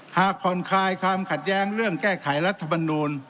หากผ่อนคลายความขัดแย้งเรื่องแก้ไขรัฐมนูล